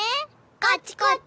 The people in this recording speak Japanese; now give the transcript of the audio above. こっちこっち。